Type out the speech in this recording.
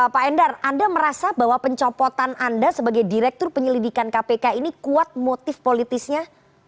pak endar anda merasa bahwa pencopotan anda sebagai direktur penyelidikan kpk ini kuat motif politisnya